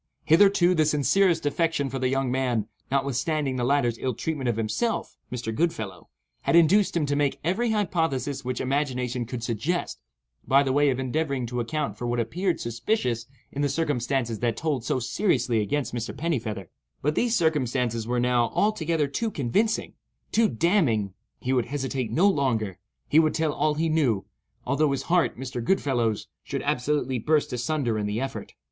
Hitherto, the sincerest affection for the young man (notwithstanding the latter's ill treatment of himself, Mr. Goodfellow) had induced him to make every hypothesis which imagination could suggest, by way of endeavoring to account for what appeared suspicious in the circumstances that told so seriously against Mr. Pennifeather, but these circumstances were now altogether too convincing—too damning; he would hesitate no longer—he would tell all he knew, although his heart (Mr. Goodfellow's) should absolutely burst asunder in the effort.